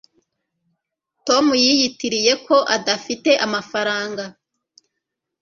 tom yiyitiriye ko adafite amafaranga